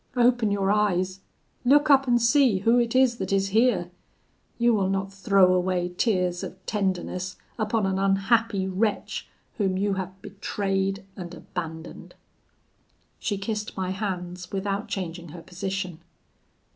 Open your eyes; look up and see who it is that is here; you will not throw away tears of tenderness upon an unhappy wretch whom you have betrayed and abandoned.' "She kissed my hands without changing her position.